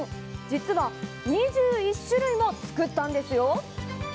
実は２１種類も作ったんですよ。